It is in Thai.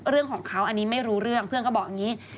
เรื่องของเขาอันนี้ไม่รู้เรื่องเพื่อนก็บอกอย่างนี้